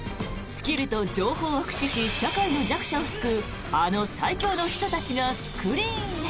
スキルと情報を駆使し社会の弱者を救うあの最強の秘書たちがスクリーンへ。